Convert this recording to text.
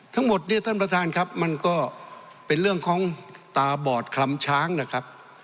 ทั้งหมดเนี่ยท่านประธานครับมันก็เป็นเรื่องของตาบอดคลำช้างนะครับ